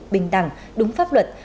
bình đẳng đúng pháp luật